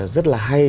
rất là hay